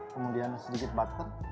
kemudian sedikit butter